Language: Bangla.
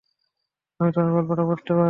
আমি তোমার গল্পটা পড়তে পারি?